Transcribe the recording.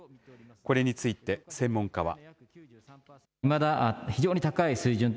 これについて、専門家は。